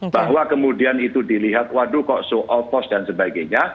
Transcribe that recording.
bahwa kemudian itu dilihat waduh kok so off post dan sebagainya